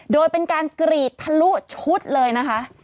โดยเป็นการกรีดทะลุชุดเลยนะคะ